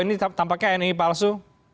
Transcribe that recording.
ini tampaknya nii palsu